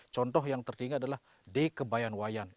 contoh yang tertinggi adalah dekebayanwayan